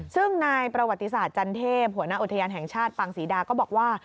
ซึ่งนายประวัติศาสตร์จันเทพหัวหน้าอุทยานแห่งชาติปังศรีดาก็บอกว่า